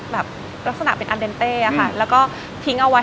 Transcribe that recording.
แบบลักษณะเป็นอ่าแล้วก็ทิ้งเอาไว้ให้